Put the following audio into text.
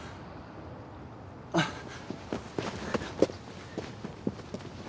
あっ。